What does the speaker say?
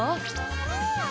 うん！